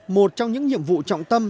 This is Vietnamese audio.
một trong những nhiệm vụ trọng tâm